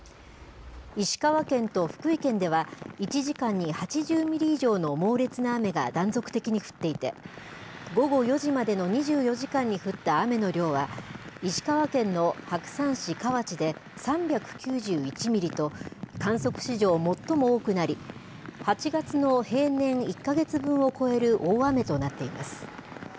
石川県と福井県では、１時間に８０ミリ以上の猛烈な雨が断続的に降っていて、午後４時までの２４時間に降った雨の量は、石川県の白山市河内で３９１ミリと、観測史上最も多くなり、８月の平年１か月分を超える大雨となっています。